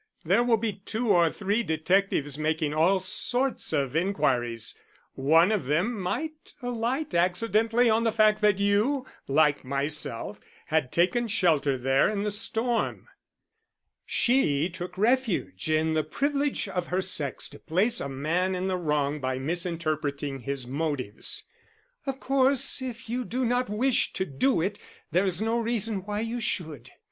There will be two or three detectives making all sorts of inquiries. One of them might alight accidentally on the fact that you, like myself, had taken shelter there in the storm." She took refuge in the privilege of her sex to place a man in the wrong by misinterpreting his motives. "Of course, if you do not wish to do it, there is no reason why you should."